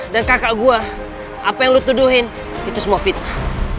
dan kakak gua apa yang lu tuduhin itu semua fitnah